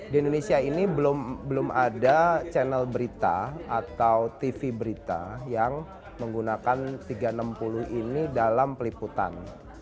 di indonesia ini belum ada channel berita atau tv berita yang menggunakan tiga ratus enam puluh ini dalam peliputan